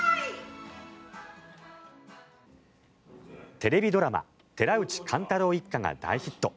テレビドラマ「寺内貫太郎一家」が大ヒット。